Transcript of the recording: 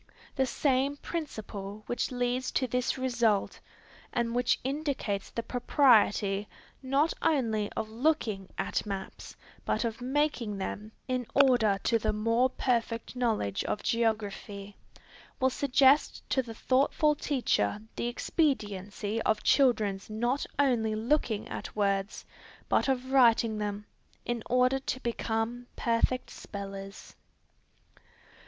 The same principle which leads to this result, and which indicates the propriety, not only of looking at maps but of making them, in order to the more perfect knowledge of geography, will suggest to the thoughtful teacher the expediency of children's not only looking at words, but of writing them, in order to become perfect spellers.